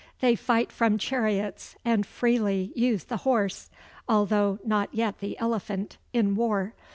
They fight from chariots, and freely use the horse, although not yet the elephant, in war.